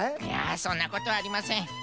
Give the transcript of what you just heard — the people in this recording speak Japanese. いやそんなことありません。